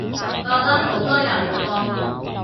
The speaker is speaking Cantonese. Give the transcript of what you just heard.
覺得好多人冇報